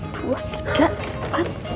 dua tiga empat